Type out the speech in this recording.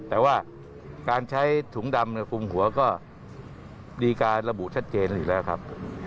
แต่ว่าการใช้ถุงดำคุมหัวก็มีการระบุชัดเจนอยู่แล้วครับ